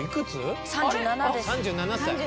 「３７歳」